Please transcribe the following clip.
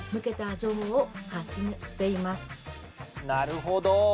なるほど。